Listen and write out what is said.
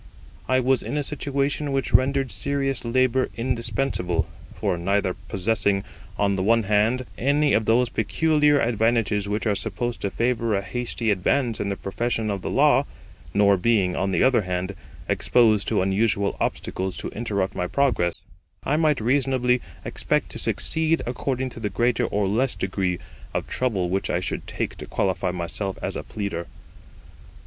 I was in a situation which rendered serious labour indispensable; for, neither possessing, on the one hand, any of those peculiar advantages which are supposed to favour a hasty advance in the profession of the law, nor being, on the other hand, exposed to unusual obstacles to interrupt my progress, I might reasonably expect to succeed according to the greater or less degree of trouble which I should take to qualify myself as a pleader.